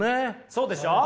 そうでしょう？